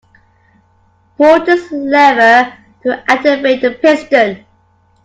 Pull this lever to activate the piston.